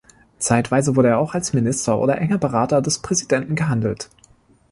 Zeitweise wurde er auch als Minister oder enger Berater des Präsidenten gehandelt.